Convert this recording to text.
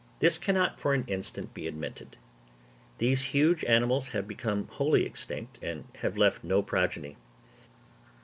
This cannot for an instant be admitted. These huge animals have become wholly extinct, and have left no progeny.